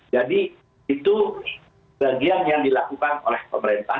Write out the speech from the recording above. jadi itu bagian yang dilakukan oleh pemerintah